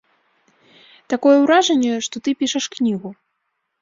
Такое ўражанне, што ты пішаш кнігу.